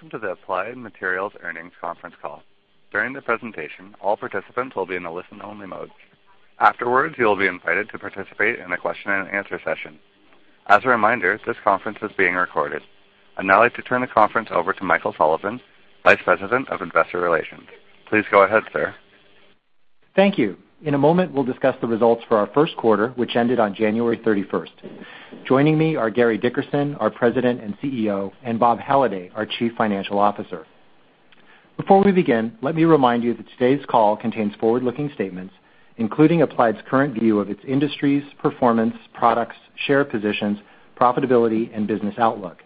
Welcome to the Applied Materials Earnings Conference Call. During the presentation, all participants will be in a listen-only mode. Afterwards, you will be invited to participate in a question and answer session. As a reminder, this conference is being recorded. I'd now like to turn the conference over to Michael Sullivan, Vice President of Investor Relations. Please go ahead, sir. Thank you. In a moment, we'll discuss the results for our first quarter, which ended on January 31st. Joining me are Gary Dickerson, our President and CEO, Bob Halliday, our Chief Financial Officer. Before we begin, let me remind you that today's call contains forward-looking statements, including Applied's current view of its industry's performance, products, share positions, profitability, and business outlook.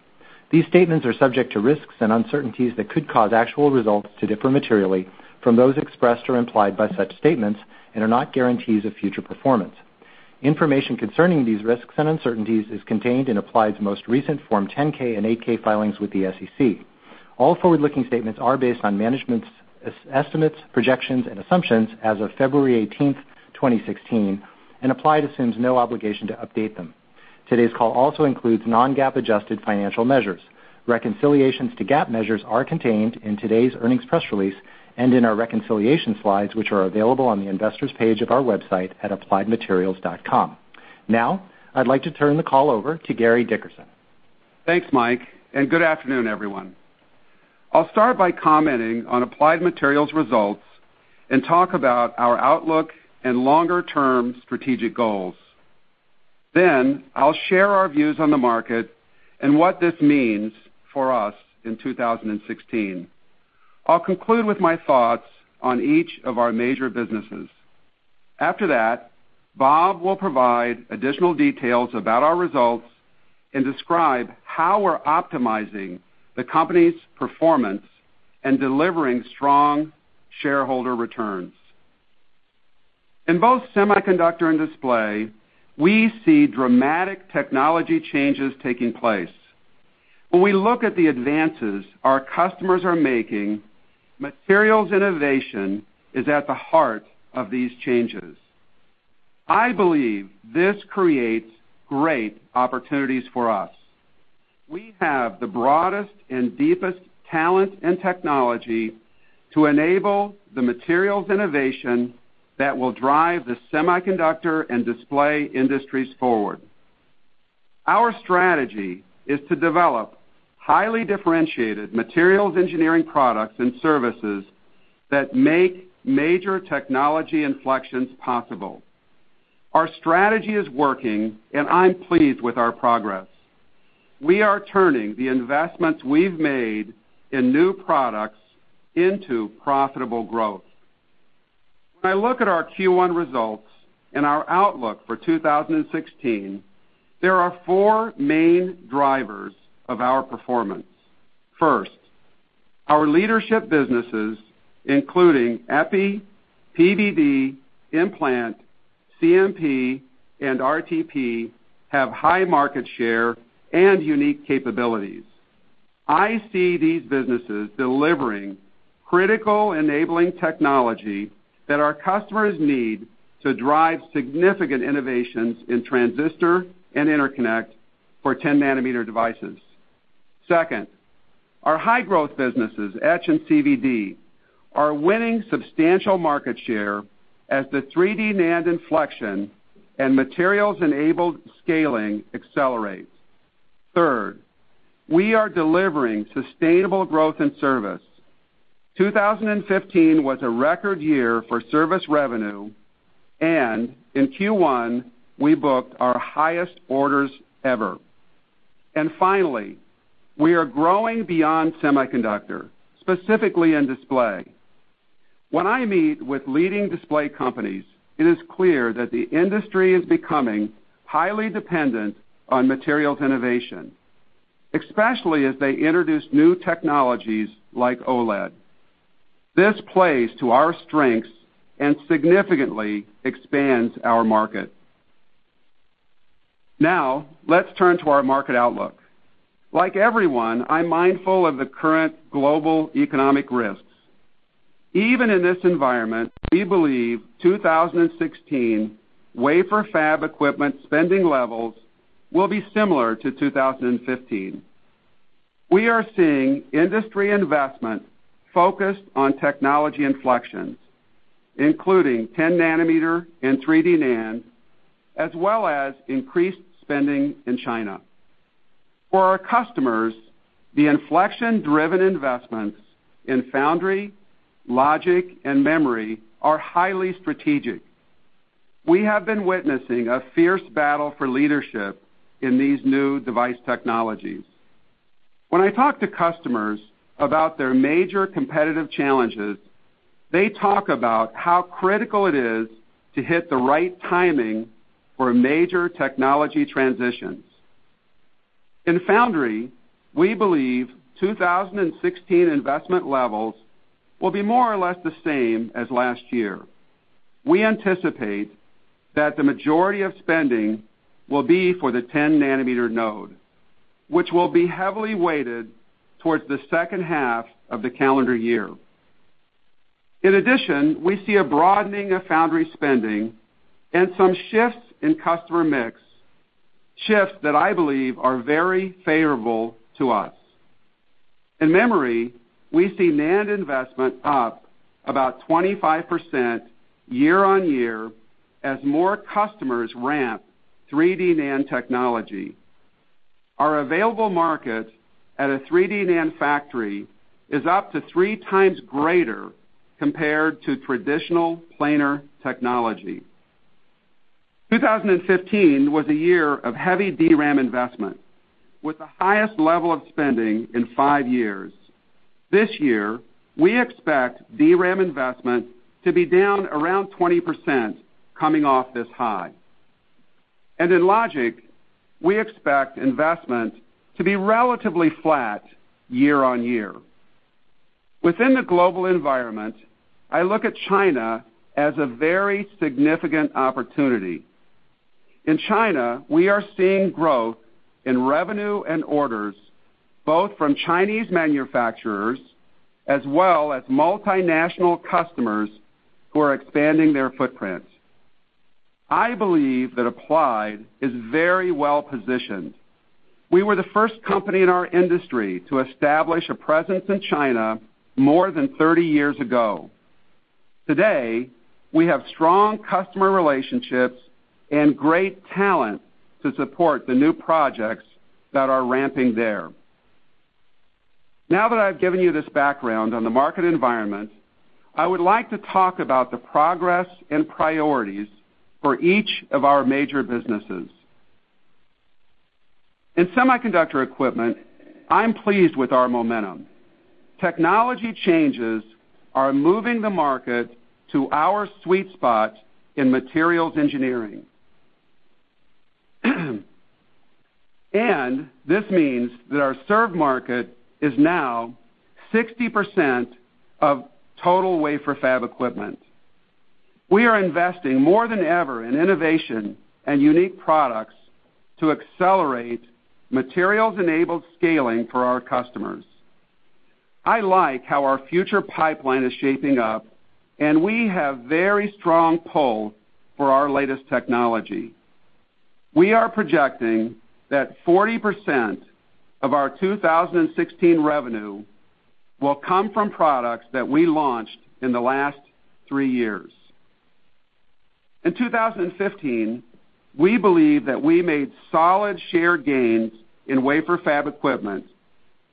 These statements are subject to risks and uncertainties that could cause actual results to differ materially from those expressed or implied by such statements and are not guarantees of future performance. Information concerning these risks and uncertainties is contained in Applied's most recent Form 10-K and 8-K filings with the SEC. All forward-looking statements are based on management's estimates, projections, and assumptions as of February 18th, 2016, Applied assumes no obligation to update them. Today's call also includes non-GAAP adjusted financial measures. Reconciliations to GAAP measures are contained in today's earnings press release and in our reconciliation slides, which are available on the investors page of our website at appliedmaterials.com. I'd now like to turn the call over to Gary Dickerson. Thanks, Mike, good afternoon, everyone. I'll start by commenting on Applied Materials' results and talk about our outlook and longer-term strategic goals. I'll share our views on the market and what this means for us in 2016. I'll conclude with my thoughts on each of our major businesses. Bob will provide additional details about our results and describe how we're optimizing the company's performance and delivering strong shareholder returns. In both semiconductor and display, we see dramatic technology changes taking place. When we look at the advances our customers are making, materials innovation is at the heart of these changes. I believe this creates great opportunities for us. We have the broadest and deepest talent and technology to enable the materials innovation that will drive the semiconductor and display industries forward. Our strategy is to develop highly differentiated materials engineering products and services that make major technology inflections possible. Our strategy is working, and I'm pleased with our progress. We are turning the investments we've made in new products into profitable growth. When I look at our Q1 results and our outlook for 2016, there are four main drivers of our performance. First, our leadership businesses, including EPI, PVD, Implant, CMP, and RTP, have high market share and unique capabilities. I see these businesses delivering critical enabling technology that our customers need to drive significant innovations in transistor and interconnect for 10-nanometer devices. Second, our high growth businesses, etch and CVD, are winning substantial market share as the 3D NAND inflection and materials-enabled scaling accelerates. Third, we are delivering sustainable growth in service. 2015 was a record year for service revenue, in Q1, we booked our highest orders ever. Finally, we are growing beyond semiconductor, specifically in display. When I meet with leading display companies, it is clear that the industry is becoming highly dependent on materials innovation, especially as they introduce new technologies like OLED. This plays to our strengths and significantly expands our market. Now, let's turn to our market outlook. Like everyone, I'm mindful of the current global economic risks. Even in this environment, we believe 2016 wafer fab equipment spending levels will be similar to 2015. We are seeing industry investment focused on technology inflections, including 10-nanometer and 3D NAND, as well as increased spending in China. For our customers, the inflection-driven investments in foundry, logic, and memory are highly strategic. We have been witnessing a fierce battle for leadership in these new device technologies. When I talk to customers about their major competitive challenges, they talk about how critical it is to hit the right timing for major technology transitions. In foundry, we believe 2016 investment levels will be more or less the same as last year. We anticipate that the majority of spending will be for the 10-nanometer node, which will be heavily weighted towards the second half of the calendar year. In addition, we see a broadening of foundry spending and some shifts in customer mix, shifts that I believe are very favorable to us. In memory, we see NAND investment up about 25% year-on-year as more customers ramp 3D NAND technology. Our available market at a 3D NAND factory is up to three times greater compared to traditional planar technology. 2015 was a year of heavy DRAM investment, with the highest level of spending in five years. This year, we expect DRAM investment to be down around 20% coming off this high. In logic, we expect investment to be relatively flat year-on-year. Within the global environment, I look at China as a very significant opportunity. In China, we are seeing growth in revenue and orders both from Chinese manufacturers as well as multinational customers who are expanding their footprint. I believe that Applied is very well-positioned. We were the first company in our industry to establish a presence in China more than 30 years ago. Today, we have strong customer relationships and great talent to support the new projects that are ramping there. Now that I've given you this background on the market environment, I would like to talk about the progress and priorities for each of our major businesses. In semiconductor equipment, I'm pleased with our momentum. Technology changes are moving the market to our sweet spot in materials engineering. This means that our served market is now 60% of total wafer fab equipment. We are investing more than ever in innovation and unique products to accelerate materials-enabled scaling for our customers. I like how our future pipeline is shaping up, and we have very strong pull for our latest technology. We are projecting that 40% of our 2016 revenue will come from products that we launched in the last three years. In 2015, we believe that we made solid share gains in wafer fab equipment,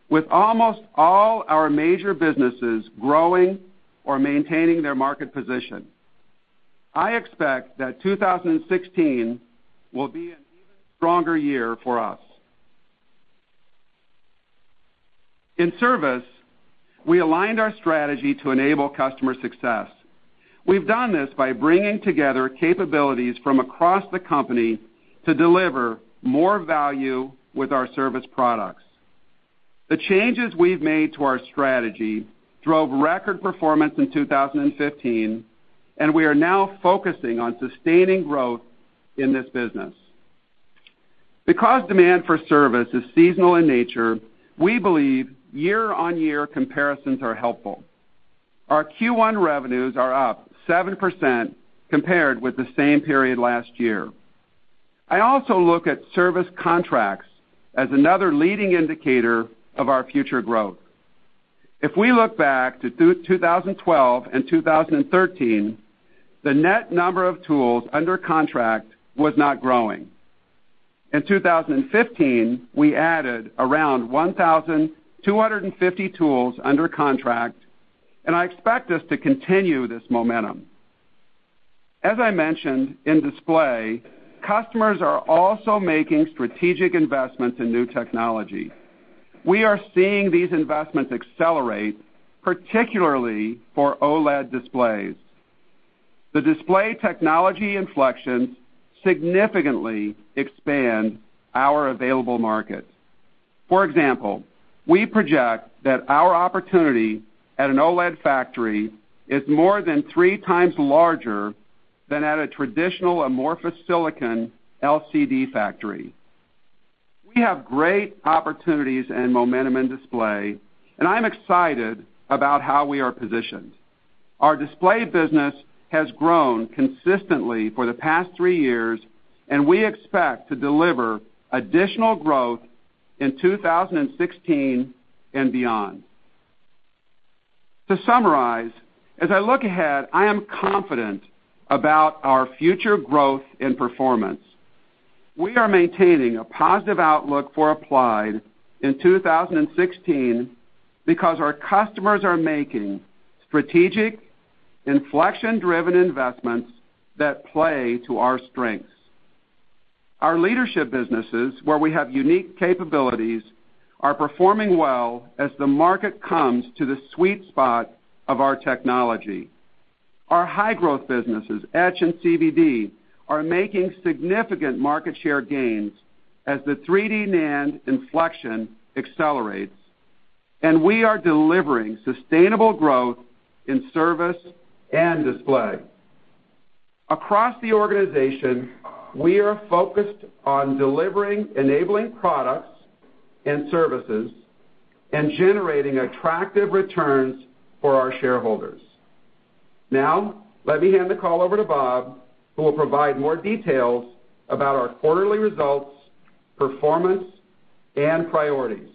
with almost all our major businesses growing or maintaining their market position. I expect that 2016 will be an even stronger year for us. In service, we aligned our strategy to enable customer success. We've done this by bringing together capabilities from across the company to deliver more value with our service products. The changes we've made to our strategy drove record performance in 2015, and we are now focusing on sustaining growth in this business. Because demand for service is seasonal in nature, we believe year-on-year comparisons are helpful. Our Q1 revenues are up 7% compared with the same period last year. I also look at service contracts as another leading indicator of our future growth. If we look back to 2012 and 2013, the net number of tools under contract was not growing. In 2015, we added around 1,250 tools under contract, and I expect us to continue this momentum. As I mentioned, in display, customers are also making strategic investments in new technology. We are seeing these investments accelerate, particularly for OLED displays. The display technology inflections significantly expand our available markets. For example, we project that our opportunity at an OLED factory is more than three times larger than at a traditional amorphous silicon LCD factory. We have great opportunities and momentum in display, and I'm excited about how we are positioned. Our display business has grown consistently for the past three years, and we expect to deliver additional growth in 2016 and beyond. To summarize, as I look ahead, I am confident about our future growth and performance. We are maintaining a positive outlook for Applied in 2016 because our customers are making strategic inflection-driven investments that play to our strengths. Our leadership businesses, where we have unique capabilities, are performing well as the market comes to the sweet spot of our technology. Our high-growth businesses, etch and CVD, are making significant market share gains as the 3D NAND inflection accelerates, and we are delivering sustainable growth in service and display. Across the organization, we are focused on delivering enabling products and services and generating attractive returns for our shareholders. Now, let me hand the call over to Bob, who will provide more details about our quarterly results, performance, and priorities.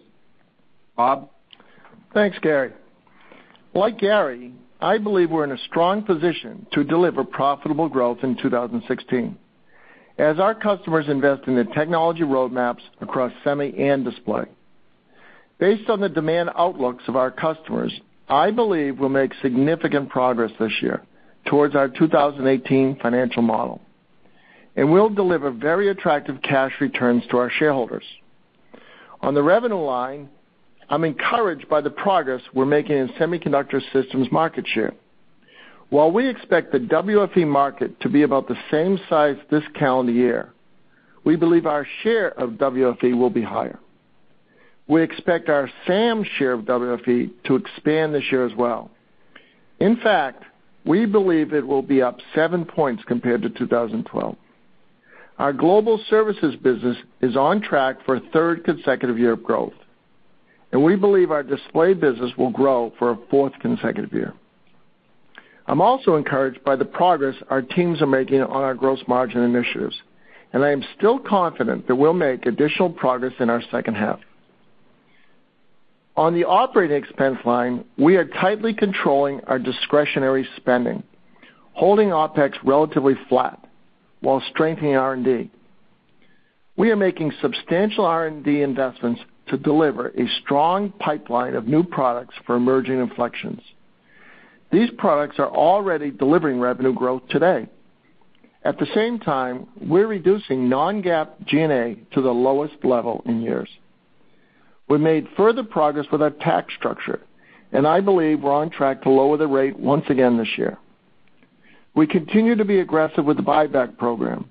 Bob? Thanks, Gary. Like Gary, I believe we're in a strong position to deliver profitable growth in 2016 as our customers invest in the technology roadmaps across semi and display. Based on the demand outlooks of our customers, I believe we'll make significant progress this year towards our 2018 financial model, and we'll deliver very attractive cash returns to our shareholders. On the revenue line, I'm encouraged by the progress we're making in semiconductor systems market share. While we expect the WFE market to be about the same size this calendar year, we believe our share of WFE will be higher. We expect our SAM share of WFE to expand this year as well. In fact, we believe it will be up seven points compared to 2012. Our global services business is on track for a third consecutive year of growth, and we believe our display business will grow for a fourth consecutive year. I'm also encouraged by the progress our teams are making on our gross margin initiatives, and I am still confident that we'll make additional progress in our second half. On the operating expense line, we are tightly controlling our discretionary spending, holding OpEx relatively flat while strengthening R&D. We are making substantial R&D investments to deliver a strong pipeline of new products for emerging inflections. These products are already delivering revenue growth today. At the same time, we're reducing non-GAAP G&A to the lowest level in years. We made further progress with our tax structure, and I believe we're on track to lower the rate once again this year. We continue to be aggressive with the buyback program.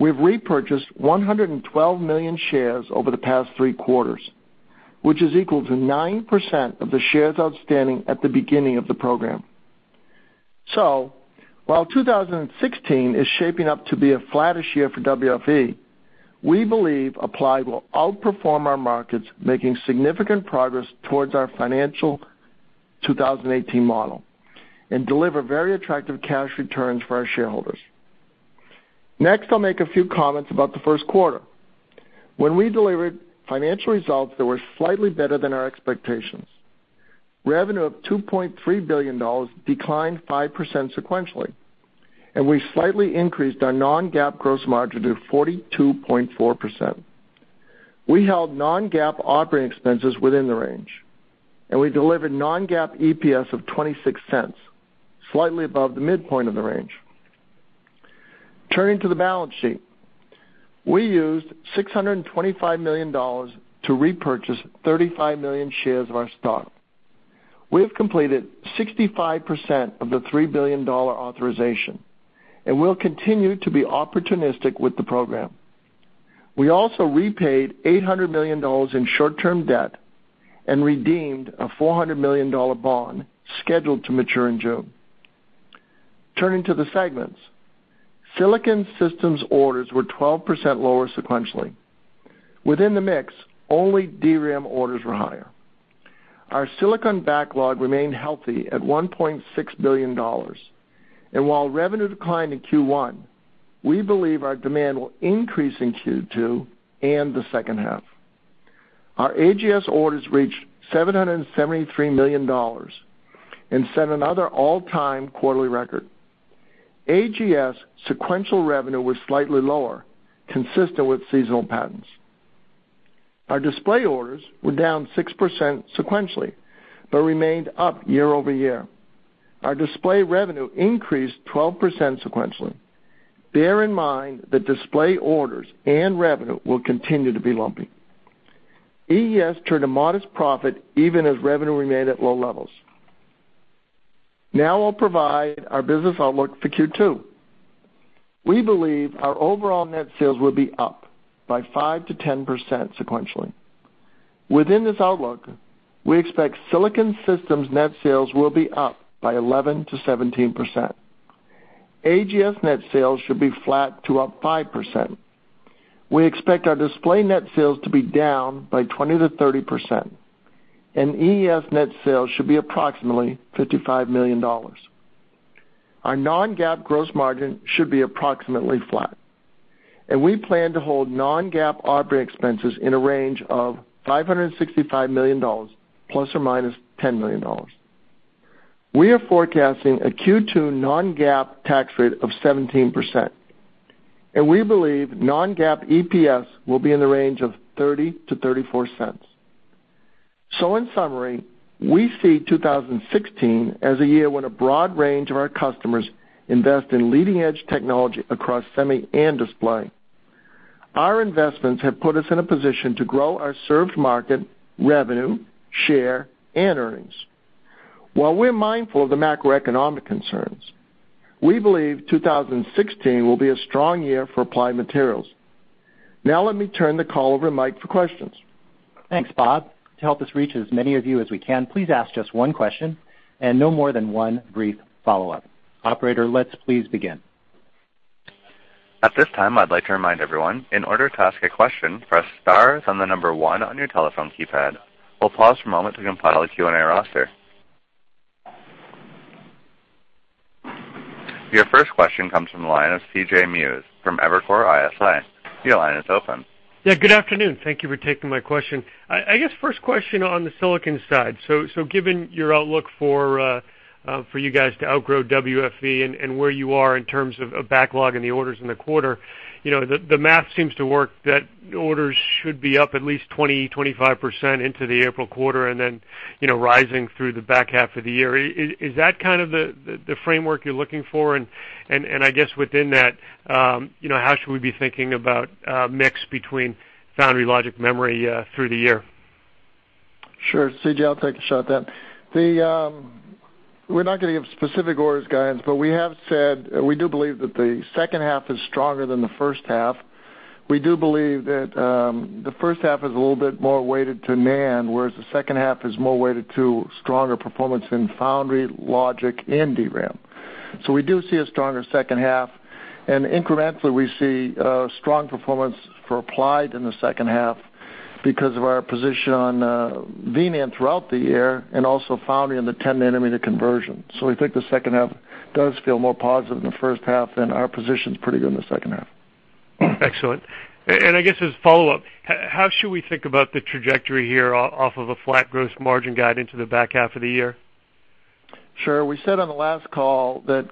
We've repurchased 112 million shares over the past three quarters, which is equal to 9% of the shares outstanding at the beginning of the program. While 2016 is shaping up to be a flattish year for WFE, we believe Applied will outperform our markets, making significant progress towards our financial 2018 model and deliver very attractive cash returns for our shareholders. Next, I'll make a few comments about the first quarter, when we delivered financial results that were slightly better than our expectations. Revenue of $2.3 billion, declined 5% sequentially, and we slightly increased our non-GAAP gross margin to 42.4%. We held non-GAAP operating expenses within the range, and we delivered non-GAAP EPS of $0.26, slightly above the midpoint of the range. Turning to the balance sheet, we used $625 million to repurchase 35 million shares of our stock. We have completed 65% of the $3 billion authorization and will continue to be opportunistic with the program. We also repaid $800 million in short-term debt and redeemed a $400 million bond scheduled to mature in June. Turning to the segments, silicon systems orders were 12% lower sequentially. Within the mix, only DRAM orders were higher. Our silicon backlog remained healthy at $1.6 billion. While revenue declined in Q1, we believe our demand will increase in Q2 and the second half. Our AGS orders reached $773 million and set another all-time quarterly record. AGS sequential revenue was slightly lower, consistent with seasonal patterns. Our display orders were down 6% sequentially but remained up year-over-year. Our display revenue increased 12% sequentially. Bear in mind that display orders and revenue will continue to be lumpy. EES turned a modest profit even as revenue remained at low levels. Now I'll provide our business outlook for Q2. We believe our overall net sales will be up by 5%-10% sequentially. Within this outlook, we expect silicon systems net sales will be up by 11%-17%. AGS net sales should be flat to up 5%. We expect our display net sales to be down by 20%-30%, and EES net sales should be approximately $55 million. Our non-GAAP gross margin should be approximately flat, and we plan to hold non-GAAP operating expenses in a range of $565 million ± $10 million. We are forecasting a Q2 non-GAAP tax rate of 17%, and we believe non-GAAP EPS will be in the range of $0.30-$0.34. In summary, we see 2016 as a year when a broad range of our customers invest in leading-edge technology across semi and display. Our investments have put us in a position to grow our served market, revenue, share, and earnings. While we're mindful of the macroeconomic concerns, we believe 2016 will be a strong year for Applied Materials. Now let me turn the call over to Mike for questions. Thanks, Bob. To help us reach as many of you as we can, please ask just one question and no more than one brief follow-up. Operator, let's please begin. At this time, I'd like to remind everyone, in order to ask a question, press star, then the number one on your telephone keypad. We'll pause for a moment to compile a Q&A roster. Your first question comes from the line of C.J. Muse from Evercore ISI. Your line is open. Yeah, good afternoon. Thank you for taking my question. I guess first question on the silicon side. Given your outlook for you guys to outgrow WFE and where you are in terms of backlog and the orders in the quarter, the math seems to work that orders should be up at least 20, 25% into the April quarter, then rising through the back half of the year. Is that kind of the framework you're looking for? I guess within that, how should we be thinking about mix between foundry logic memory, through the year? Sure. CJ, I'll take a shot. We're not giving specific orders guidance, we have said we do believe that the second half is stronger than the first half. We do believe that the first half is a little bit more weighted to NAND, whereas the second half is more weighted to stronger performance in foundry logic and DRAM. We do see a stronger second half, incrementally, we see strong performance for Applied in the second half because of our position on V-NAND throughout the year, also foundry in the 10-nanometer conversion. We think the second half does feel more positive than the first half, our position's pretty good in the second half. Excellent. I guess as follow-up, how should we think about the trajectory here off of a flat gross margin guide into the back half of the year? Sure. We said on the last call that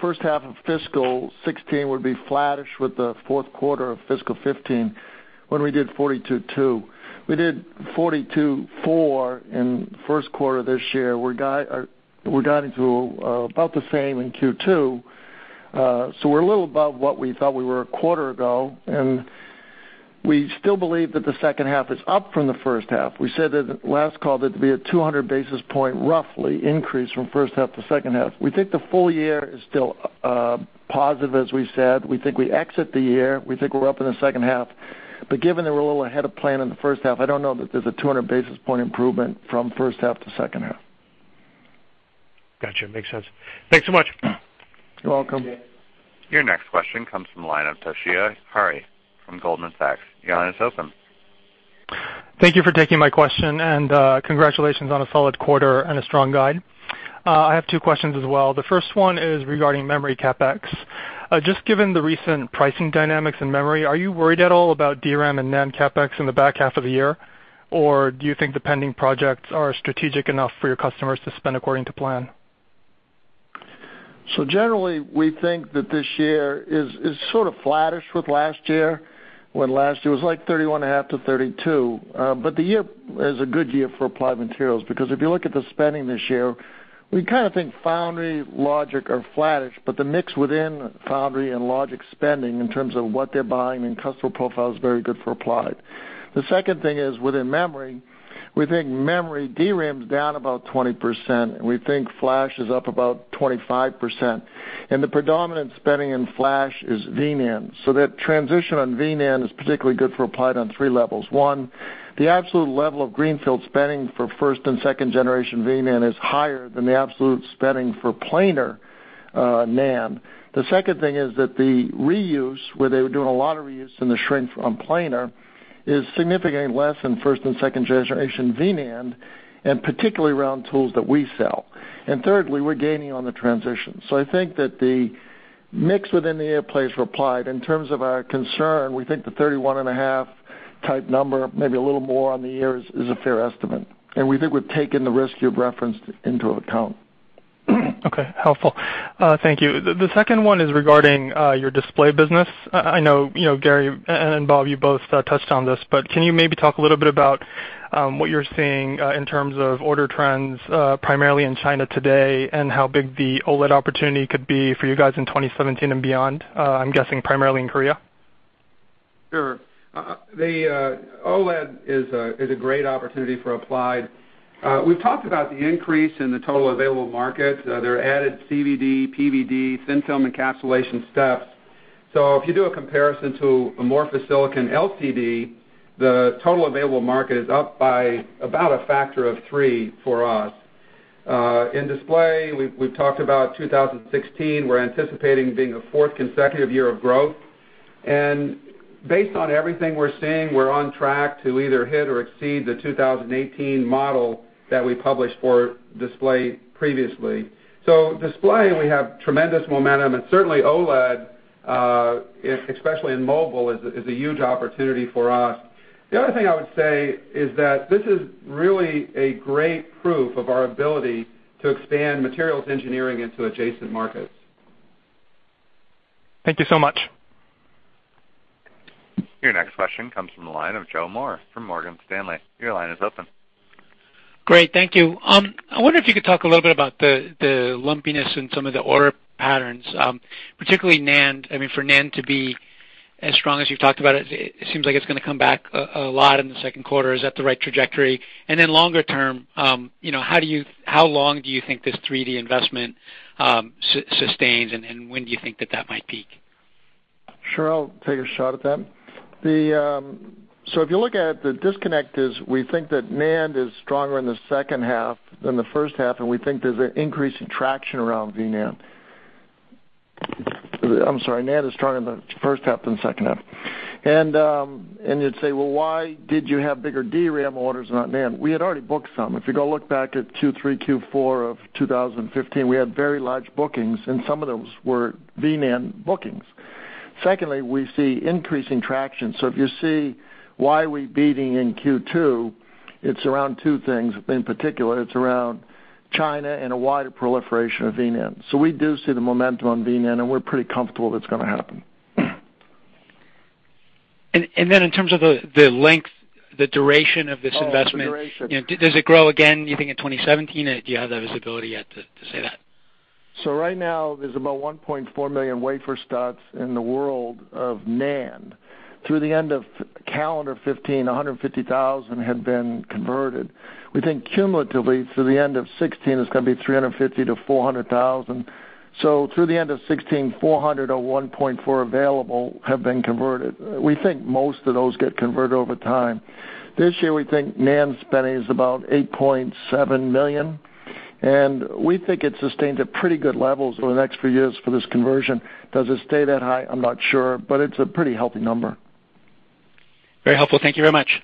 first half of fiscal 2016 would be flattish with the fourth quarter of fiscal 2015, when we did 42.2%. We did 42.4% in first quarter this year. We're guiding to about the same in Q2. We're a little above what we thought we were a quarter ago, we still believe that the second half is up from the first half. We said at last call that it'd be a 200 basis point, roughly, increase from first half to second half. We think the full year is still positive as we said. We think we exit the year. We think we're up in the second half. Given that we're a little ahead of plan in the first half, I don't know that there's a 200 basis point improvement from first half to second half. Got you. Makes sense. Thanks so much. You're welcome. Your next question comes from the line of Toshiya Hari from Goldman Sachs. Your line is open. Thank you for taking my question, and congratulations on a solid quarter and a strong guide. I have two questions as well. The first one is regarding memory CapEx. Just given the recent pricing dynamics in memory, are you worried at all about DRAM and NAND CapEx in the back half of the year, or do you think the pending projects are strategic enough for your customers to spend according to plan? Generally, we think that this year is sort of flattish with last year, when last year was like 31.5-32. The year is a good year for Applied Materials because if you look at the spending this year, we kind of think foundry logic are flattish, but the mix within foundry and logic spending in terms of what they're buying and customer profile is very good for Applied. The second thing is within memory, we think memory DRAM is down about 20%, and we think flash is up about 25%, and the predominant spending in flash is V-NAND. That transition on V-NAND is particularly good for Applied on 3 levels. One, the absolute level of greenfield spending for first and second generation V-NAND is higher than the absolute spending for planar NAND. The second thing is that the reuse, where they were doing a lot of reuse in the shrink from planar, is significantly less than first and second generation V-NAND, and particularly around tools that we sell. Thirdly, we're gaining on the transition. I think that the mix within the year plays for Applied. In terms of our concern, we think the 31.5 type number, maybe a little more on the year is a fair estimate, and we think we've taken the risk you've referenced into account. Okay. Helpful. Thank you. The second one is regarding your display business. I know Gary and Bob, you both touched on this, but can you maybe talk a little bit about what you're seeing in terms of order trends, primarily in China today, and how big the OLED opportunity could be for you guys in 2017 and beyond, I'm guessing primarily in Korea? Sure. The OLED is a great opportunity for Applied. We've talked about the increase in the total available market, their added CVD, PVD, thin film encapsulation steps. If you do a comparison to amorphous silicon LCD, the total available market is up by about a factor of 3 for us. In display, we've talked about 2016, we're anticipating being a fourth consecutive year of growth. Based on everything we're seeing, we're on track to either hit or exceed the 2018 model that we published for display previously. Display, we have tremendous momentum, and certainly OLED, especially in mobile, is a huge opportunity for us. The other thing I would say is that this is really a great proof of our ability to expand materials engineering into adjacent markets. Thank you so much. Your next question comes from the line of Joe Moore from Morgan Stanley. Your line is open. Great. Thank you. I wonder if you could talk a little bit about the lumpiness in some of the order patterns, particularly NAND. I mean, for NAND to be as strong as you've talked about it seems like it's going to come back a lot in the second quarter. Is that the right trajectory? Then longer term, how long do you think this 3D investment sustains, and when do you think that that might peak? Sure. I'll take a shot at that. If you look at it, the disconnect is we think that NAND is stronger in the second half than the first half, and we think there's an increase in traction around VNAND. I'm sorry, NAND is stronger in the first half than the second half. You'd say, "Well, why did you have bigger DRAM orders, not NAND?" We had already booked some. If you go look back at Q3, Q4 of 2015, we had very large bookings, and some of those were VNAND bookings. Secondly, we see increasing traction. If you see why we're beating in Q2, it's around two things. In particular, it's around China and a wider proliferation of VNAND. We do see the momentum on VNAND, and we're pretty comfortable that's going to happen. In terms of the length, the duration of this investment. Oh, the duration. Does it grow again, you think, in 2017? Do you have the visibility yet to say that? Right now, there's about 1.4 million wafer starts in the world of NAND. Through the end of calendar 2015, 150,000 had been converted. We think cumulatively, through the end of 2016, it's going to be 350,000-400,000. Through the end of 2016, 400 of 1.4 available have been converted. We think most of those get converted over time. This year, we think NAND spending is about $8.7 million, and we think it sustains at pretty good levels over the next few years for this conversion. Does it stay that high? I'm not sure, but it's a pretty healthy number. Very helpful. Thank you very much.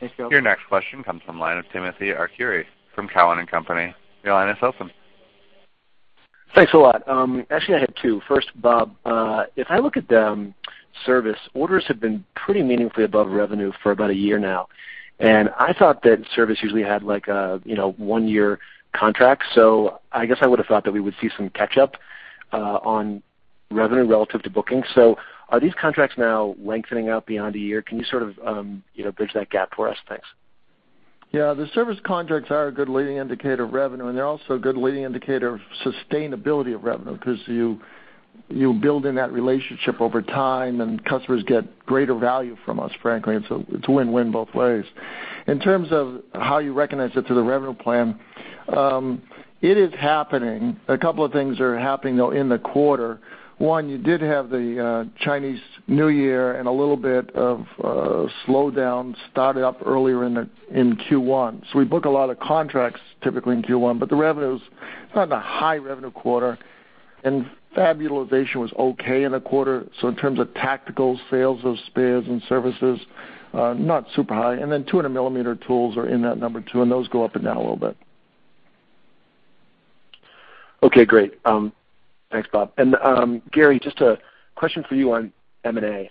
Thanks, Phil. Your next question comes from the line of Timothy Arcuri from Cowen and Company. Your line is open. Thanks a lot. Actually, I had two. First, Bob, if I look at service, orders have been pretty meaningfully above revenue for about a year now, and I thought that service usually had like a one-year contract, so I guess I would've thought that we would see some catch-up on revenue relative to bookings. Are these contracts now lengthening out beyond a year? Can you sort of bridge that gap for us? Thanks. Yeah. The service contracts are a good leading indicator of revenue. They're also a good leading indicator of sustainability of revenue because you build in that relationship over time and customers get greater value from us, frankly. It's win-win both ways. In terms of how you recognize it to the revenue plan, it is happening. A couple of things are happening, though, in the quarter. One, you did have the Chinese New Year and a little bit of a slowdown started up earlier in Q1. We book a lot of contracts typically in Q1, but the revenue is not a high-revenue quarter, and fab utilization was okay in the quarter. In terms of tactical sales of spares and services, not super high. 200-millimeter tools are in that number, too, and those go up and down a little bit. Okay, great. Thanks, Bob. Gary, just a question for you on M&A.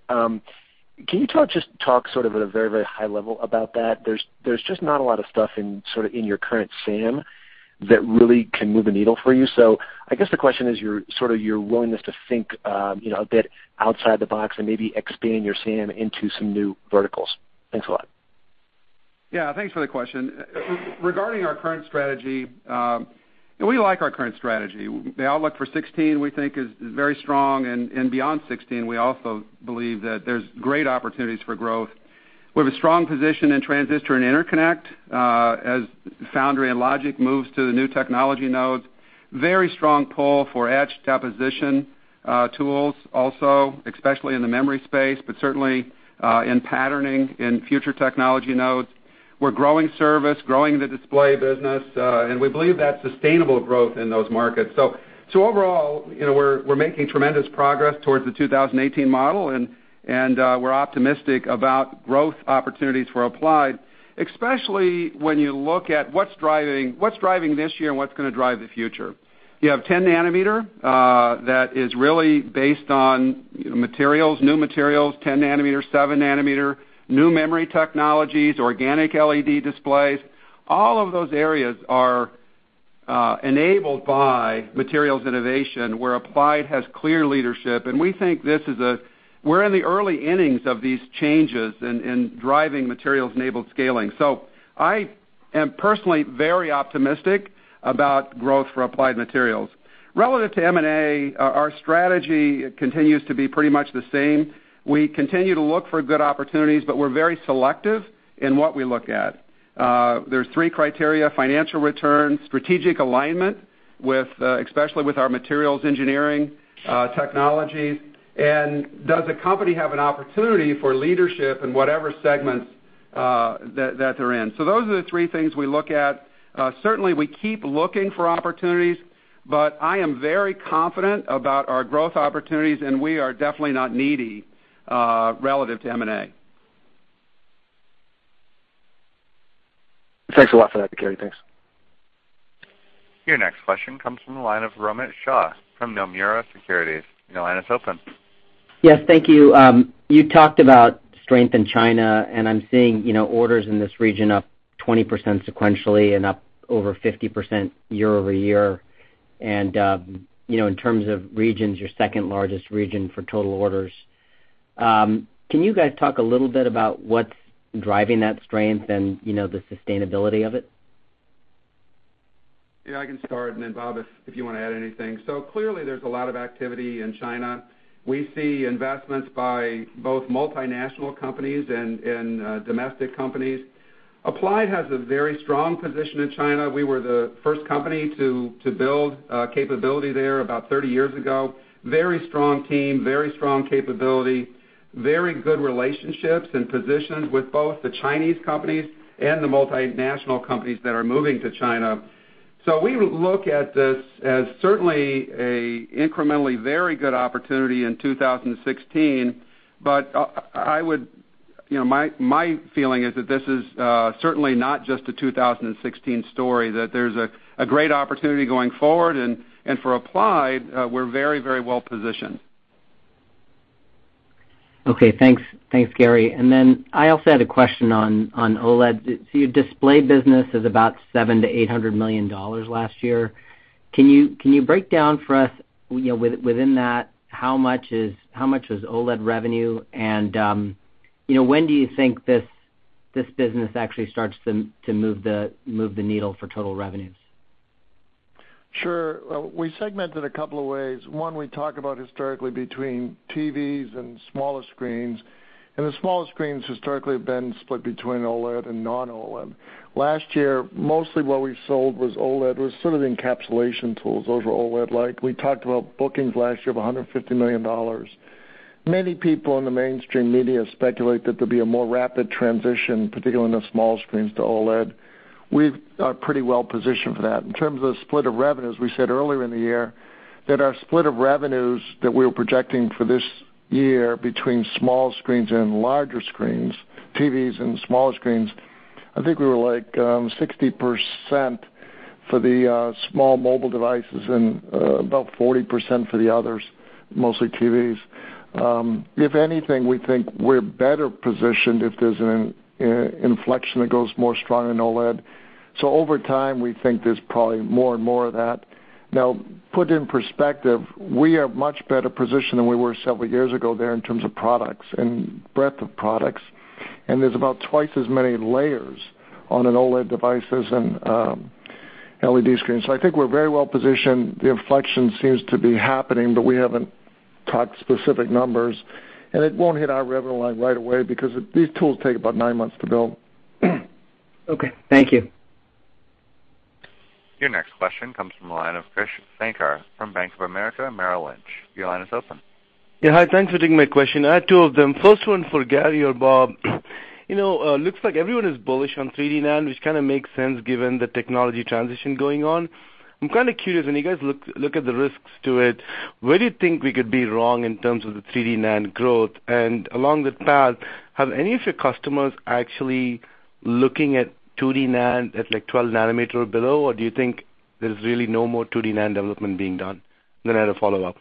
Can you just talk sort of at a very high level about that? There's just not a lot of stuff in your current SAM that really can move a needle for you. I guess the question is sort of your willingness to think a bit outside the box and maybe expand your SAM into some new verticals. Thanks a lot. Yeah. Thanks for the question. Regarding our current strategy, we like our current strategy. The outlook for 2016, we think, is very strong. Beyond 2016, we also believe that there's great opportunities for growth. We have a strong position in transistor and interconnect as foundry and logic moves to the new technology nodes. Very strong pull for etch deposition tools also, especially in the memory space, but certainly in patterning in future technology nodes. We're growing service, growing the display business. We believe that's sustainable growth in those markets. Overall, we're making tremendous progress towards the 2018 model, and we're optimistic about growth opportunities for Applied Materials, especially when you look at what's driving this year and what's going to drive the future. You have 10 nanometer that is really based on materials, new materials, 10 nanometer, seven nanometer, new memory technologies, organic LED displays. All of those areas are enabled by materials innovation, where Applied Materials has clear leadership. We think we're in the early innings of these changes in driving materials-enabled scaling. I am personally very optimistic about growth for Applied Materials. Relative to M&A, our strategy continues to be pretty much the same. We continue to look for good opportunities, but we're very selective in what we look at. There's three criteria, financial return, strategic alignment, especially with our materials engineering technologies. Does a company have an opportunity for leadership in whatever segments that they're in? Those are the three things we look at. Certainly, we keep looking for opportunities, but I am very confident about our growth opportunities, and we are definitely not needy relative to M&A. Thanks a lot for that, Gary. Thanks. Your next question comes from the line of Romit Shah from Nomura Securities. Your line is open. Yes, thank you. You talked about strength in China. I'm seeing orders in this region up 20% sequentially and up over 50% year-over-year. In terms of regions, your second-largest region for total orders. Can you guys talk a little bit about what's driving that strength and the sustainability of it? Yeah, I can start, and then Bob, if you want to add anything. Clearly, there's a lot of activity in China. We see investments by both multinational companies and in domestic companies. Applied has a very strong position in China. We were the first company to build a capability there about 30 years ago. Very strong team, very strong capability, very good relationships and positions with both the Chinese companies and the multinational companies that are moving to China. We look at this as certainly a incrementally very good opportunity in 2016. My feeling is that this is certainly not just a 2016 story, that there's a great opportunity going forward, and for Applied, we're very well-positioned. Okay, thanks Gary. I also had a question on OLED. Your display business is about $700 million-$800 million last year. Can you break down for us within that, how much was OLED revenue, and when do you think this business actually starts to move the needle for total revenues? Sure. We segmented a couple of ways. One, we talk about historically between TVs and smaller screens, and the smaller screens historically have been split between OLED and non-OLED. Last year, mostly what we sold was OLED, was sort of the encapsulation tools. Those were OLED-like. We talked about bookings last year of $150 million. Many people in the mainstream media speculate that there'll be a more rapid transition, particularly in the small screens to OLED. We are pretty well-positioned for that. In terms of the split of revenues, we said earlier in the year that our split of revenues that we were projecting for this year between small screens and larger screens, TVs and smaller screens, I think we were like 60% for the small mobile devices and about 40% for the others, mostly TVs. If anything, we think we're better positioned if there's an inflection that goes more strong in OLED. Over time, we think there's probably more and more of that. Put in perspective, we are much better positioned than we were several years ago there in terms of products and breadth of products, and there's about twice as many layers on an OLED device as in LED screens. I think we're very well-positioned. The inflection seems to be happening, but we haven't talked specific numbers, and it won't hit our revenue line right away because these tools take about nine months to build. Okay. Thank you. Your next question comes from the line of Krish Sankar from Bank of America Merrill Lynch. Your line is open. Yeah. Hi, thanks for taking my question. I have two of them. First one for Gary or Bob. Looks like everyone is bullish on 3D NAND, which kind of makes sense given the technology transition going on. I'm kind of curious, when you guys look at the risks to it, where do you think we could be wrong in terms of the 3D NAND growth? Along that path, have any of your customers actually looking at 2D NAND at 12 nanometer or below, or do you think there's really no more 2D NAND development being done? I had a follow-up.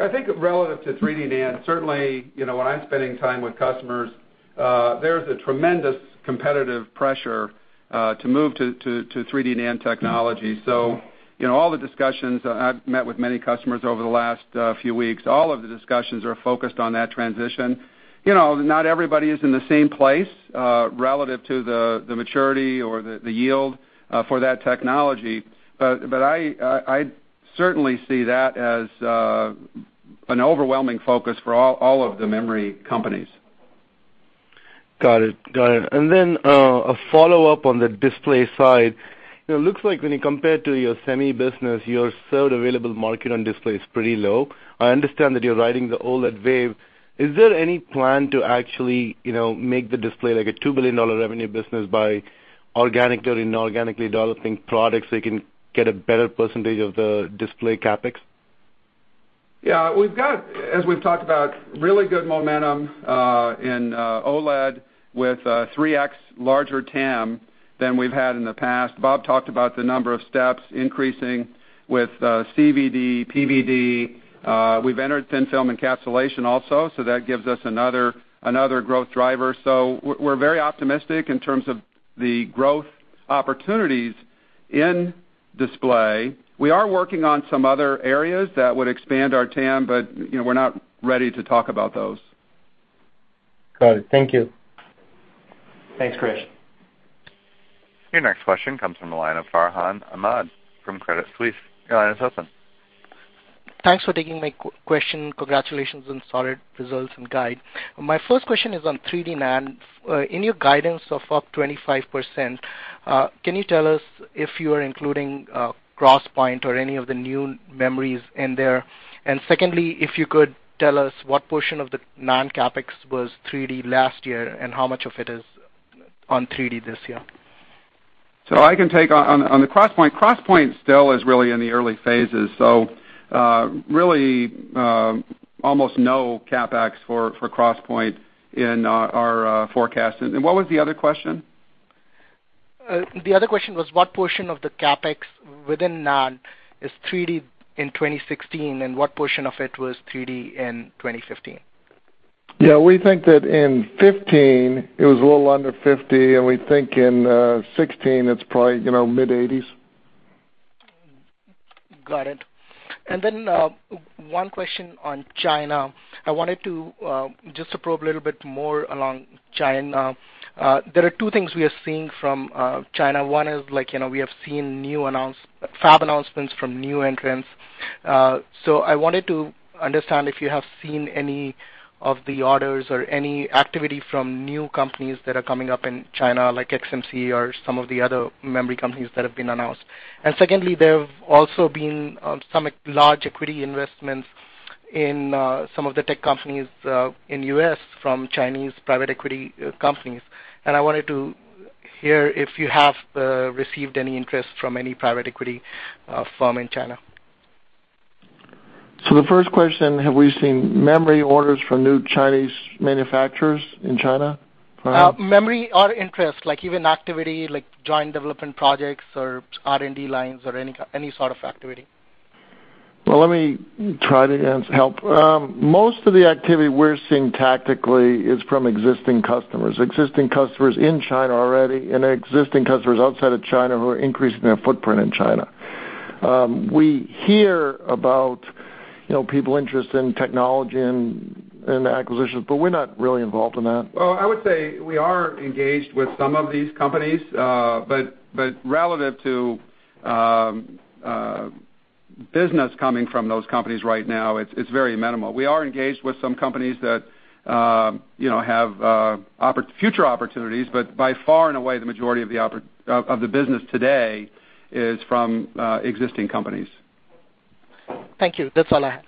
I think relative to 3D NAND, certainly, when I'm spending time with customers, there's a tremendous competitive pressure to move to 3D NAND technology. All the discussions, I've met with many customers over the last few weeks, all of the discussions are focused on that transition. Not everybody is in the same place, relative to the maturity or the yield for that technology. I certainly see that as an overwhelming focus for all of the memory companies. Got it. A follow-up on the display side. It looks like when you compare to your semi business, your sold available market on display is pretty low. I understand that you're riding the OLED wave. Is there any plan to actually make the display like a $2 billion revenue business by organically or inorganically developing products that can get a better percentage of the display CapEx? Yeah. We've got, as we've talked about, really good momentum in OLED with 3X larger TAM than we've had in the past. Bob talked about the number of steps increasing with CVD, PVD. We've entered thin-film encapsulation also, so that gives us another growth driver. We're very optimistic in terms of the growth opportunities in display. We are working on some other areas that would expand our TAM, but we're not ready to talk about those. Got it. Thank you. Thanks, Krish. Your next question comes from the line of Farhan Ahmad from Credit Suisse. Your line is open. Thanks for taking my question. Congratulations on solid results and guide. My first question is on 3D NAND. In your guidance of up 25%, can you tell us if you are including CrossPoint or any of the new memories in there? Secondly, if you could tell us what portion of the NAND CapEx was 3D last year, and how much of it is on 3D this year? I can take on the CrossPoint. CrossPoint still is really in the early phases, so really almost no CapEx for CrossPoint in our forecast. What was the other question? The other question was what portion of the CapEx within NAND is 3D in 2016, and what portion of it was 3D in 2015? Yeah, we think that in 2015, it was a little under 50%, we think in 2016 it's probably mid-80s%. Got it. One question on China. I wanted to just probe a little bit more along China. There are two things we are seeing from China. One is we have seen fab announcements from new entrants. I wanted to understand if you have seen any of the orders or any activity from new companies that are coming up in China, like XMC or some of the other memory companies that have been announced. Secondly, there have also been some large equity investments in some of the tech companies in U.S. from Chinese private equity companies. I wanted to hear if you have received any interest from any private equity firm in China. The first question, have we seen memory orders from new Chinese manufacturers in China? Memory or interest, like even activity, like joint development projects or R&D lines or any sort of activity. Well, let me try to help. Most of the activity we're seeing tactically is from existing customers, existing customers in China already, and existing customers outside of China who are increasing their footprint in China. We hear about people interested in technology and acquisitions, but we're not really involved in that. Well, I would say we are engaged with some of these companies, relative to business coming from those companies right now, it's very minimal. We are engaged with some companies that have future opportunities, by far and away, the majority of the business today is from existing companies. Thank you. That's all I have.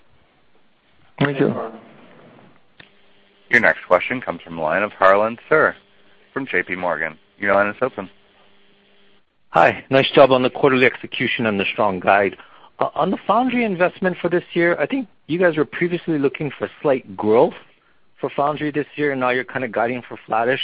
Thank you. Thank you. Your next question comes from the line of Harlan Sur from JPMorgan Chase. Your line is open. Hi. Nice job on the quarterly execution and the strong guide. On the foundry investment for this year, I think you guys were previously looking for slight growth for foundry this year, and now you're kind of guiding for flattish.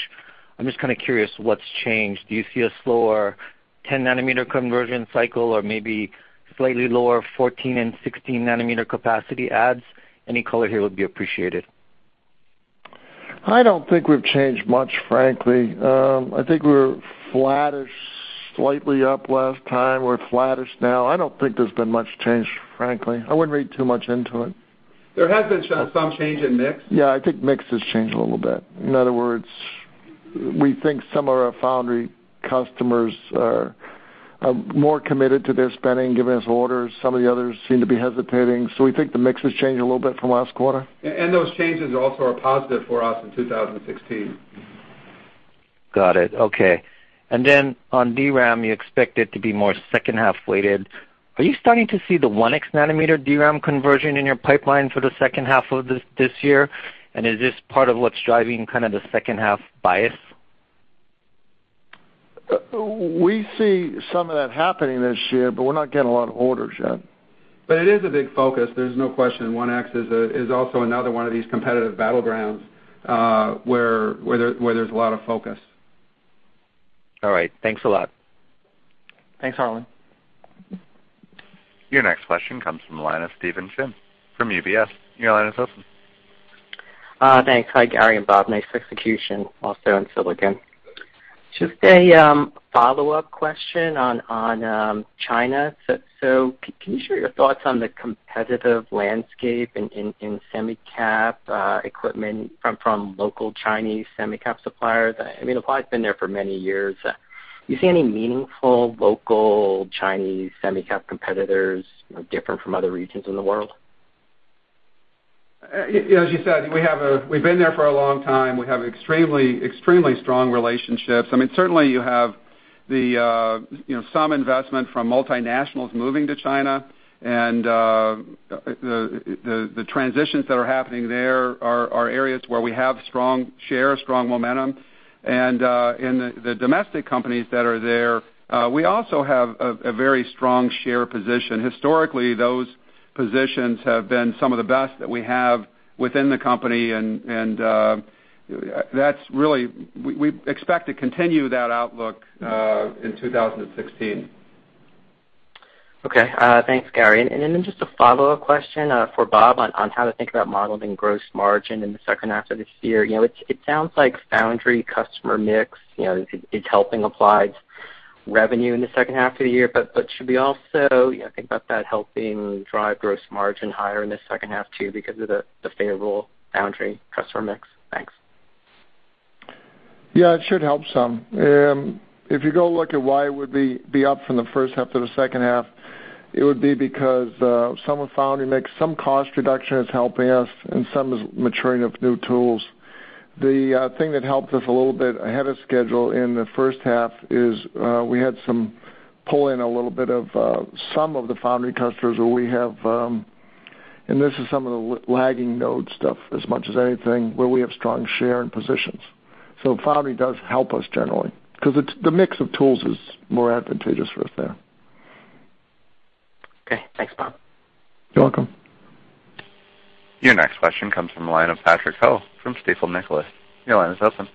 I'm just kind of curious what's changed. Do you see a slower 10 nanometer conversion cycle or maybe slightly lower 14 and 16 nanometer capacity adds? Any color here would be appreciated. I don't think we've changed much, frankly. I think we were flattish, slightly up last time. We're flattish now. I don't think there's been much change, frankly. I wouldn't read too much into it. There has been some change in mix. Yeah, I think mix has changed a little bit. In other words, we think some of our foundry customers are more committed to their spending, giving us orders. Some of the others seem to be hesitating. We think the mix has changed a little bit from last quarter. Those changes also are positive for us in 2016. Got it. Okay. On DRAM, you expect it to be more second half-weighted. Are you starting to see the 1x-nanometer DRAM conversion in your pipeline for the second half of this year? Is this part of what's driving kind of the second half bias? We see some of that happening this year, we're not getting a lot of orders yet. It is a big focus. There's no question. 1X is also another one of these competitive battlegrounds, where there's a lot of focus. All right. Thanks a lot. Thanks, Harlan. Your next question comes from the line of Stephen Chin from UBS. Your line is open. Thanks. Hi, Gary and Bob. Nice execution also in silicon. Just a follow-up question on China. Can you share your thoughts on the competitive landscape in semi cap equipment from local Chinese semi cap suppliers? Applied's been there for many years. Do you see any meaningful local Chinese semi cap competitors different from other regions in the world? As you said, we've been there for a long time. We have extremely strong relationships. Certainly, you have some investment from multinationals moving to China, and the transitions that are happening there are areas where we have strong share, strong momentum. In the domestic companies that are there, we also have a very strong share position. Historically, those positions have been some of the best that we have within the company, and we expect to continue that outlook in 2016. Okay. Thanks, Gary. Then just a follow-up question for Bob on how to think about modeling gross margin in the second half of this year. It sounds like foundry customer mix is helping Applied's revenue in the second half of the year, but should we also think about that helping drive gross margin higher in the second half, too, because of the favorable foundry customer mix? Thanks. Yeah, it should help some. If you go look at why it would be up from the first half to the second half, it would be because some of foundry mix, some cost reduction is helping us, and some is maturing of new tools. The thing that helped us a little bit ahead of schedule in the first half is we had some pull in a little bit of some of the foundry customers and this is some of the lagging node stuff as much as anything, where we have strong share and positions. Foundry does help us generally because the mix of tools is more advantageous for us there. Okay, thanks, Bob. You're welcome. Your next question comes from the line of Patrick Ho from Stifel Nicolaus. Your line is open.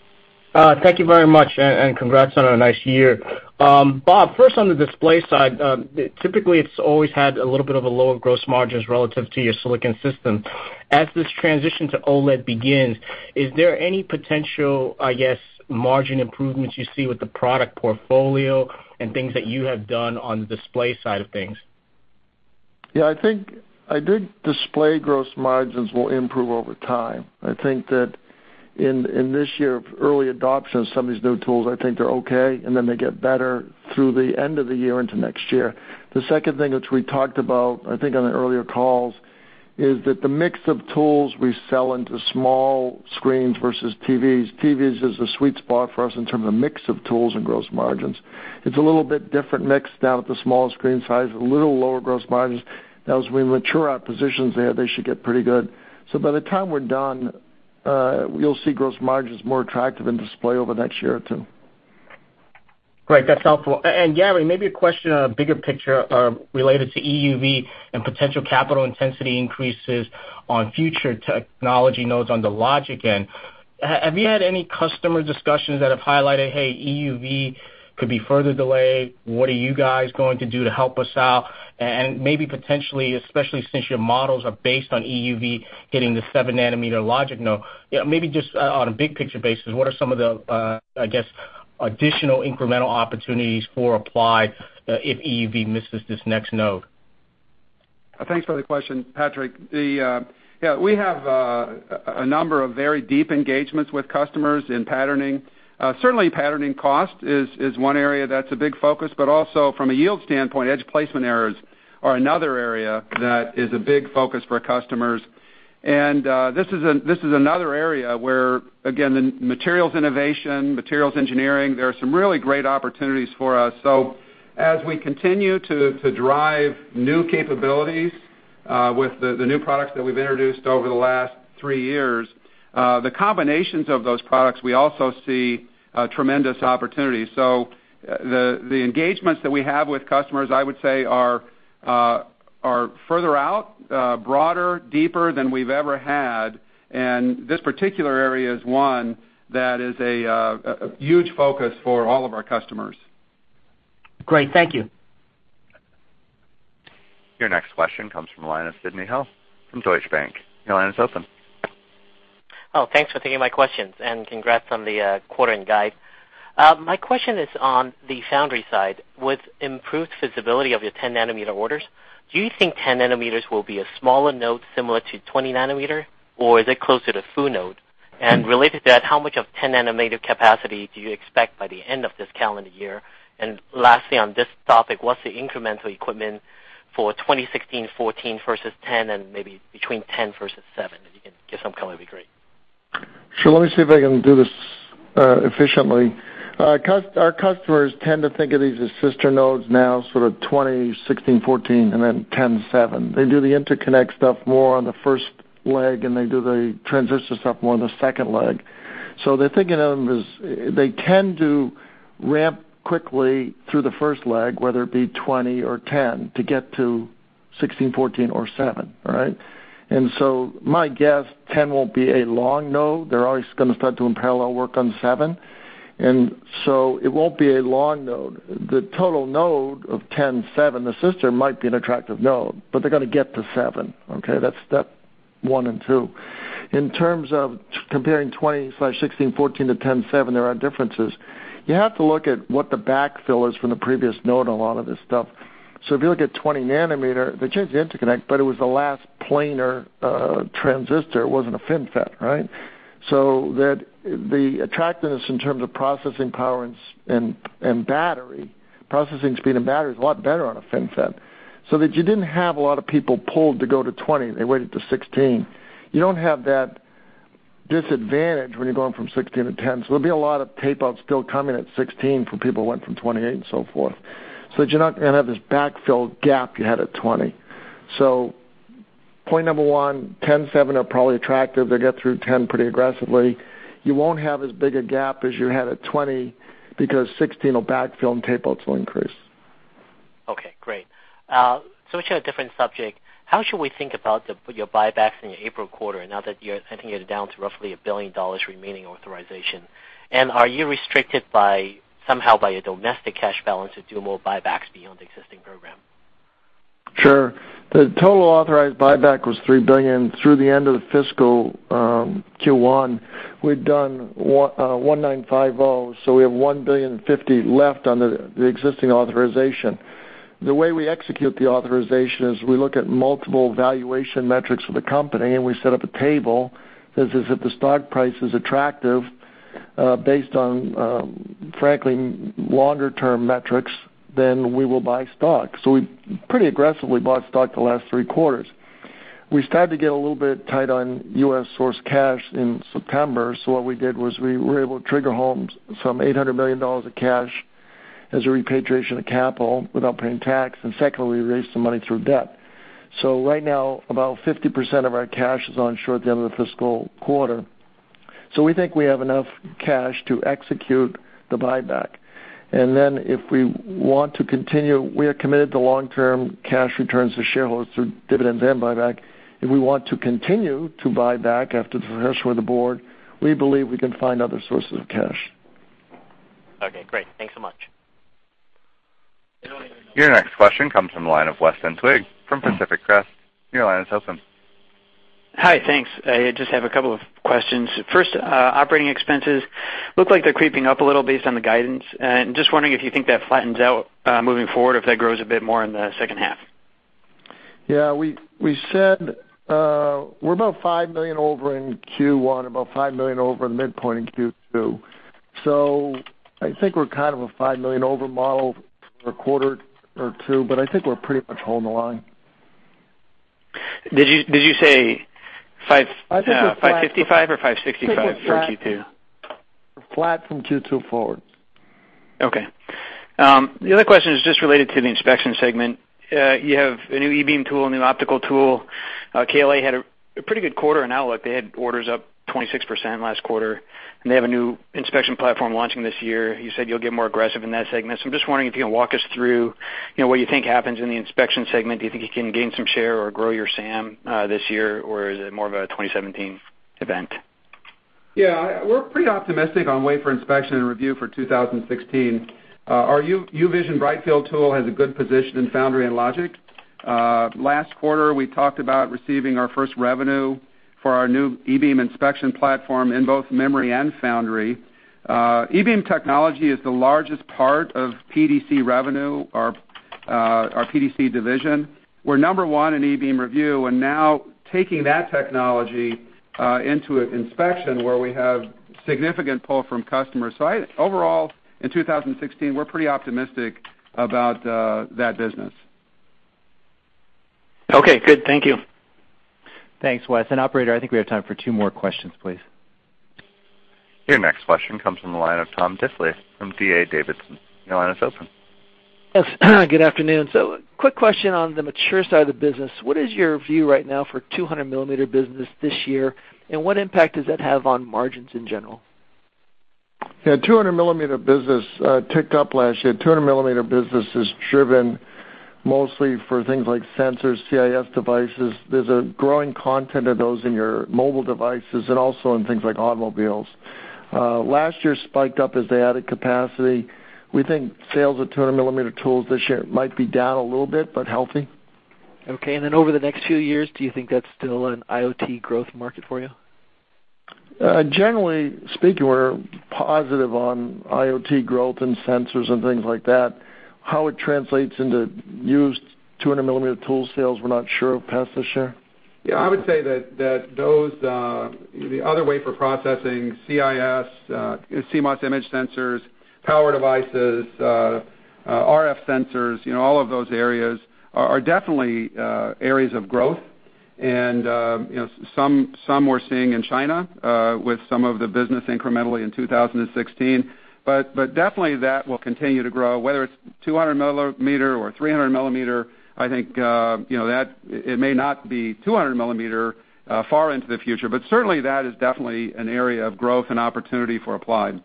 Thank you very much, and congrats on a nice year. Bob, first on the display side, typically it's always had a little bit of a lower gross margins relative to your silicon system. As this transition to OLED begins, is there any potential, I guess, margin improvements you see with the product portfolio and things that you have done on the display side of things? Yeah, I think display gross margins will improve over time. I think that in this year of early adoption of some of these new tools, I think they're okay, and then they get better through the end of the year into next year. The second thing, which we talked about, I think on the earlier calls, is that the mix of tools we sell into small screens versus TVs. TVs is the sweet spot for us in terms of mix of tools and gross margins. It's a little bit different mix now with the smaller screen size, a little lower gross margins. Now, as we mature our positions there, they should get pretty good. By the time we're done, you'll see gross margins more attractive in display over the next year or two. Great. That's helpful. Gary, maybe a question on a bigger picture, related to EUV and potential capital intensity increases on future technology nodes on the logic end. Have you had any customer discussions that have highlighted, "Hey, EUV could be further delayed. What are you guys going to do to help us out?" Maybe potentially, especially since your models are based on EUV hitting the seven nanometer logic node, maybe just on a big-picture basis, what are some of the, I guess, additional incremental opportunities for Applied if EUV misses this next node? Thanks for the question, Patrick. Yeah, we have a number of very deep engagements with customers in patterning. Certainly, patterning cost is one area that's a big focus, but also from a yield standpoint, edge placement errors are another area that is a big focus for customers. This is another area where, again, the materials innovation, materials engineering, there are some really great opportunities for us. As we continue to drive new capabilities with the new products that we've introduced over the last three years, the combinations of those products, we also see tremendous opportunities. The engagements that we have with customers, I would say, are further out, broader, deeper than we've ever had, and this particular area is one that is a huge focus for all of our customers. Great. Thank you. Your next question comes from Sidney Ho from Deutsche Bank. Linus, open. Thanks for taking my questions, and congrats on the quarter and guide. My question is on the foundry side. With improved visibility of your 10-nanometer orders, do you think 10-nanometer will be a smaller node similar to 20-nanometer, or is it closer to full node? Related to that, how much of 10-nanometer capacity do you expect by the end of this calendar year? Lastly, on this topic, what's the incremental equipment for 16-nanometer, 14-nanometer versus 10-nanometer, and maybe between 10-nanometer versus 7-nanometer? If you can give some color, it'd be great. Sure. Let me see if I can do this efficiently. Our customers tend to think of these as sister nodes now, sort of 20-nanometer, 16-nanometer, 14-nanometer, then 10-nanometer, 7-nanometer. They do the interconnect stuff more on the first leg, they do the transistor stuff more on the second leg. They're thinking of them as they tend to ramp quickly through the first leg, whether it be 20-nanometer or 10-nanometer, to get to 16-nanometer, 14-nanometer or 7-nanometer, right? My guess, 10-nanometer won't be a long node. They're always going to start doing parallel work on 7-nanometer. It won't be a long node. The total node of 10-nanometer, 7-nanometer, the sister might be an attractive node, but they got to get to 7-nanometer. Okay, that's step 1 and 2. In terms of comparing 20-nanometer/16-nanometer, 14-nanometer to 10-nanometer, 7-nanometer, there are differences. You have to look at what the backfill is from the previous node on a lot of this stuff. If you look at 20-nanometer, they changed the interconnect, but it was the last planar transistor. It wasn't a FinFET, right? The attractiveness in terms of processing power and battery, processing speed and battery is a lot better on a FinFET. That you didn't have a lot of people pulled to go to 20-nanometer. They waited till 16-nanometer. You don't have that disadvantage when you're going from 16-nanometer to 10-nanometer, there'll be a lot of tape outs still coming at 16-nanometer for people who went from 28-nanometer and so forth. That you're not going to have this backfill gap you had at 20-nanometer. Point number 1, 10-nanometer, 7-nanometer are probably attractive. They'll get through 10-nanometer pretty aggressively. You won't have as big a gap as you had at 20 because 16 will backfill and tape outs will increase. Okay, great. Switching to a different subject, how should we think about your buybacks in your April quarter now that you're, I think, down to roughly $1 billion remaining authorization? Are you restricted somehow by your domestic cash balance to do more buybacks beyond the existing program? Sure. The total authorized buyback was $3 billion through the end of the fiscal Q1. We'd done $1.950 billion, so we have $1.050 billion left on the existing authorization. The way we execute the authorization is we look at multiple valuation metrics for the company. We set up a table that says if the stock price is attractive based on, frankly, longer-term metrics, then we will buy stock. We pretty aggressively bought stock the last three quarters. We started to get a little bit tight on U.S. source cash in September. What we did was we were able to trigger home some $800 million of cash as a repatriation of capital without paying tax. Secondly, we raised some money through debt. Right now, about 50% of our cash is onshore at the end of the fiscal quarter. We think we have enough cash to execute the buyback. If we want to continue, we are committed to long-term cash returns to shareholders through dividends and buyback. If we want to continue to buy back after the rehearsal with the board, we believe we can find other sources of cash. Okay, great. Thanks so much. Your next question comes from the line of Weston Twigg from Pacific Crest. Your line is open. Hi, thanks. I just have a couple of questions. First, operating expenses look like they're creeping up a little based on the guidance. Just wondering if you think that flattens out, moving forward, if that grows a bit more in the second half. Yeah, we said, we're about $5 million over in Q1, about $5 million over the midpoint in Q2. I think we're kind of a $5 million over model for a quarter or two, I think we're pretty much holding the line. Did you say five- I think we're flat 555 or 565 for Q2? I think we're flat from Q2 forward. Okay. The other question is just related to the inspection segment. You have a new E-beam tool, a new optical tool. KLA-Tencor had a pretty good quarter on outlook. They had orders up 26% last quarter, and they have a new inspection platform launching this year. I'm just wondering if you can walk us through what you think happens in the inspection segment. Do you think you can gain some share or grow your SAM this year, or is it more of a 2017 event? Yeah. We're pretty optimistic on wafer inspection and review for 2016. Our UVision Brightfield tool has a good position in foundry and logic. Last quarter, we talked about receiving our first revenue for our new E-beam inspection platform in both memory and foundry. E-beam technology is the largest part of PDC revenue, our PDC division. We're number one in E-beam review, and now taking that technology into an inspection where we have significant pull from customers. Overall, in 2016, we're pretty optimistic about that business. Okay, good. Thank you. Thanks, Weston. Operator, I think we have time for two more questions, please. Your next question comes from the line of Tom Diffely from D.A. Davidson. Your line is open. Yes. Good afternoon. Quick question on the mature side of the business. What is your view right now for 200-millimeter business this year, and what impact does that have on margins in general? Yeah, 200-millimeter business ticked up last year. 200-millimeter business is driven mostly for things like sensors, CIS devices. There's a growing content of those in your mobile devices and also in things like automobiles. Last year spiked up as they added capacity. We think sales of 200-millimeter tools this year might be down a little bit, but healthy. Okay. Over the next few years, do you think that's still an IoT growth market for you? Generally speaking, we're positive on IoT growth and sensors and things like that. How it translates into used 200-millimeter tool sales, we're not sure of past this year. Yeah, I would say that those, the other wafer processing, CIS, CMOS image sensors, power devices, RF sensors, all of those areas are definitely areas of growth. Some we're seeing in China, with some of the business incrementally in 2016. Definitely that will continue to grow, whether it's 200 millimeter or 300 millimeter. I think, it may not be 200 millimeter far into the future. Certainly that is definitely an area of growth and opportunity for Applied.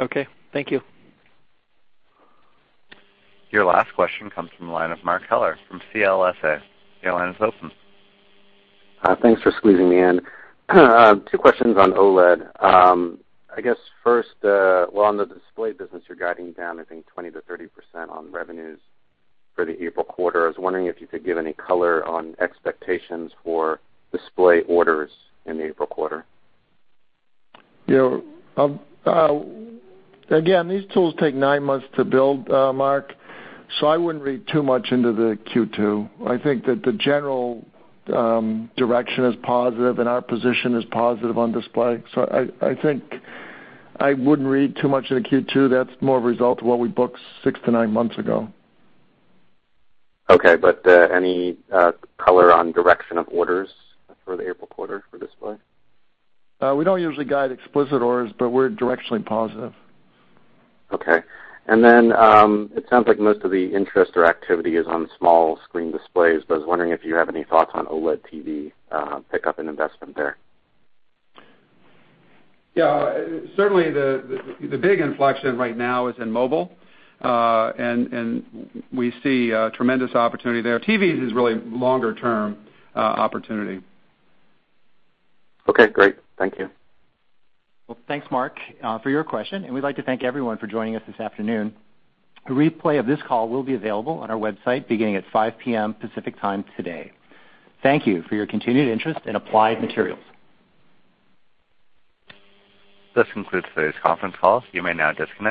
Okay. Thank you. Your last question comes from the line of Mark Heller from CLSA. Your line is open. Thanks for squeezing me in. Two questions on OLED. I guess first, well, on the display business, you're guiding down, I think, 20%-30% on revenues for the April quarter. I was wondering if you could give any color on expectations for display orders in the April quarter. These tools take nine months to build, Mark, I wouldn't read too much into the Q2. I think that the general direction is positive, and our position is positive on display. I think I wouldn't read too much into Q2. That's more a result of what we booked six to nine months ago. Okay. Any color on direction of orders for the April quarter for display? We don't usually guide explicit orders, we're directionally positive. Okay. It sounds like most of the interest or activity is on small screen displays, but I was wondering if you have any thoughts on OLED TV pickup and investment there. Yeah. Certainly the big inflection right now is in mobile. We see a tremendous opportunity there. TVs is really longer-term opportunity. Okay, great. Thank you. Well, thanks, Mark, for your question. We'd like to thank everyone for joining us this afternoon. A replay of this call will be available on our website beginning at 5:00 P.M. Pacific Time today. Thank you for your continued interest in Applied Materials. This concludes today's conference call. You may now disconnect.